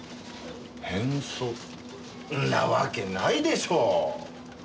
変装そんなわけないでしょう。